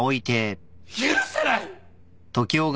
許せない！